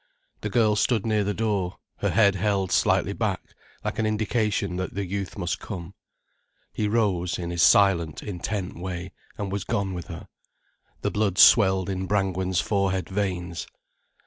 The girl stood near the door, her head held slightly back, like an indication that the youth must come. He rose, in his silent, intent way, and was gone with her. The blood swelled in Brangwen's forehead veins.